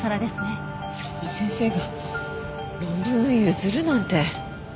そんな先生が論文を譲るなんて。